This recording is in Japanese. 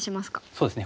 そうですね